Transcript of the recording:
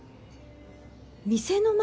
店の前？